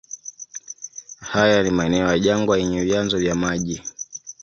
Haya ni maeneo ya jangwa yenye vyanzo vya maji.